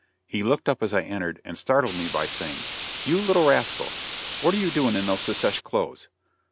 He looked up as I entered, and startled me by saying: "You little rascal, what are you doing in those 'secesh' clothes?"